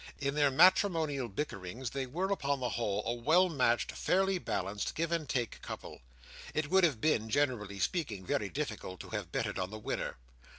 In their matrimonial bickerings they were, upon the whole, a well matched, fairly balanced, give and take couple. It would have been, generally speaking, very difficult to have betted on the winner.